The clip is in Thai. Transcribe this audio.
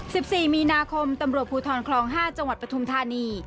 สิบสี่มีนาคมตำรวจภูทรคลองห้าจังหวัดปฐุมธานี